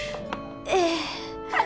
ええ。